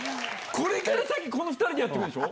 これから先、この２人でやっていくんでしょ。